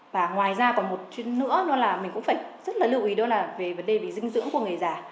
và ngoài ra còn một chút nữa đó là mình cũng phải rất là lưu ý đó là về vấn đề về dinh dưỡng của người già